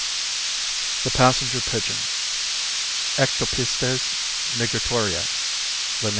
THE PASSENGER PIGEON, Ectopistes migratoria, (Linn.).